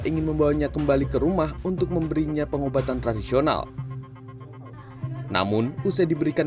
ingin membawanya kembali ke rumah untuk memberinya pengobatan tradisional namun usai diberikan